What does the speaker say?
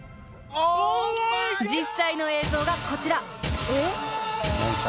［実際の映像がこちら］